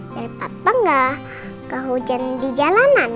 dari papa nggak ke hujan di jalanan